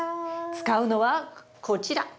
使うのはこちら。